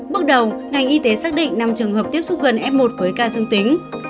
bước đầu ngành y tế xác định năm trường hợp tiếp xúc gần f một với ca dương tính